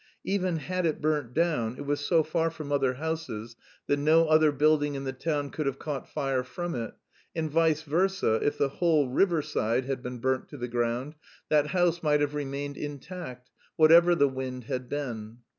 Even had it burnt down, it was so far from other houses that no other building in the town could have caught fire from it, and, vice versa, if the whole riverside had been burnt to the ground, that house might have remained intact, whatever the wind had been.